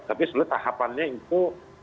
tapi sebenarnya tahapannya itu